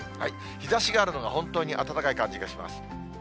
日ざしがあるのが本当に暖かい感じがします。